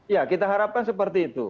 ya kita harapkan seperti itu